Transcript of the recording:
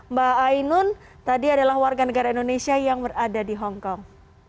mbak ainun tadi adalah warga negara indonesia yang berada di hongkong